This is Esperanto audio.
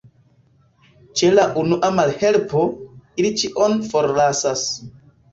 Ĉe la unua malhelpo, ili ĉion forlasas.